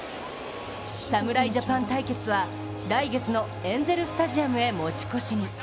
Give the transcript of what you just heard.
侍ジャパン対決は来月のエンゼル・スタジアムへ持ち越しに。